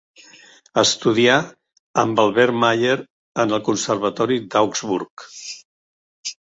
Estudià amb Albert Mayer en el Conservatori d'Augsburg.